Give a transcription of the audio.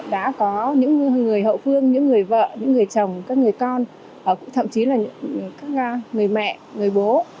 đã có những người hậu phương những người vợ những người chồng các người con thậm chí là các người mẹ người bố